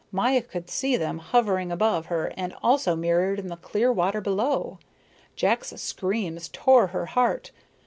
Maya could see them hovering above her and also mirrored in the clear water below. Jack's screams tore her heart.